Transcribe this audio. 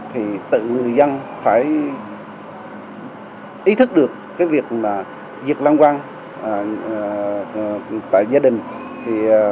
thì tự người dân phải ý thức được việc làm quang tại gia đình